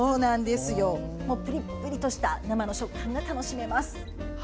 プリプリとした生の食感を楽しめます。